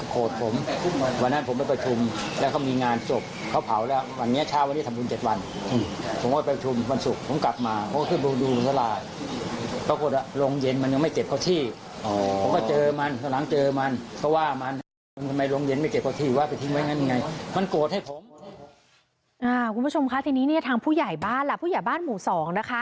คุณผู้ชมคะทีนี้เนี่ยทางผู้ใหญ่บ้านล่ะผู้ใหญ่บ้านหมู่๒นะคะ